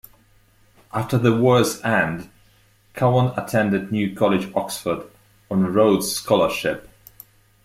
After the war's end, Cowen attended New College, Oxford, on a Rhodes Scholarship.